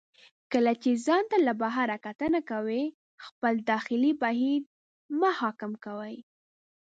کله چې ځان ته له بهر کتنه کوئ، خپل داخلي بهیر مه حاکم کوئ.